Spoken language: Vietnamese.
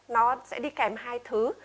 nó sẽ đi kèm hai thứ